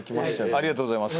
ありがとうございます。